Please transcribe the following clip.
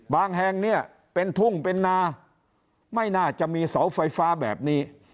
แห่งเนี่ยเป็นทุ่งเป็นนาไม่น่าจะมีเสาไฟฟ้าแบบนี้